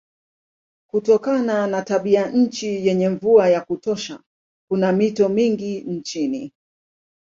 Kutokana na tabianchi yenye mvua ya kutosha kuna mito mingi nchini.